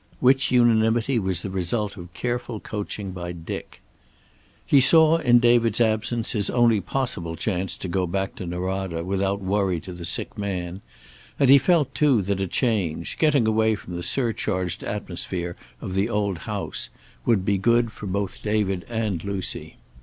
Which unanimity was the result of careful coaching by Dick. He saw in David's absence his only possible chance to go back to Norada without worry to the sick man, and he felt, too, that a change, getting away from the surcharged atmosphere of the old house, would be good for both David and Lucy.